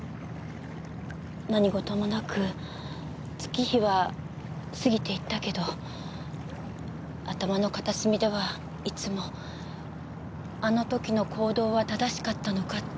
何事もなく月日は過ぎていったけど頭の片隅ではいつもあの時の行動は正しかったのか？